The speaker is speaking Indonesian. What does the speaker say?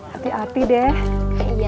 hati hati deh iya mak